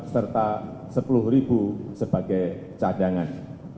serta sepuluh ribu sebagai cadangan